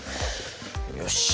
よし。